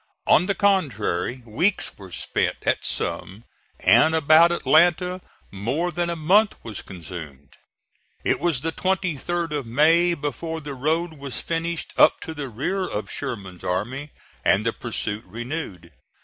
On the contrary, weeks were spent at some; and about Atlanta more than a month was consumed. It was the 23d of May before the road was finished up to the rear of Sherman's army and the pursuit renewed.